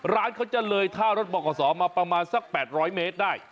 ร้านขอจะเลยท่ารถบอกกับสมัยประมาณสัก๘๐๐เมตรได้